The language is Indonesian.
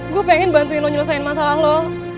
gue pengen bantuin lo nyelesain masalah lo